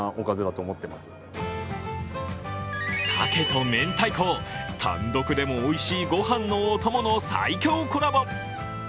鮭と明太子、単独でもおいしいご飯のお供の最強コラボ。